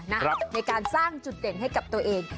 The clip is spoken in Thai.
ในการสร้างจุดเด่นให้กับตัวเอง